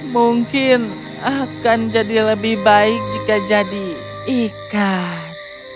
mungkin akan jadi lebih baik jika jadi ikan